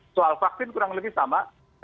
soal vaksin kurang lebih sama